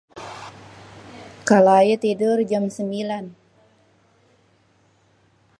kalo ayé tidur jam sembilan..